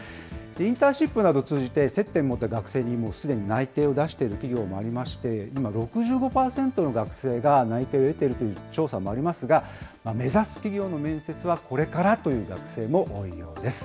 インターンシップなどを通じて、接点を持った学生にもうすでに内定を出している企業もありまして、今、６５％の学生が内定を得ているという調査もありますが、目指す企業の面接はこれからという学生も多いようです。